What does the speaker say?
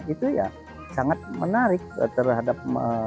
itu ya sangat menarik terhadap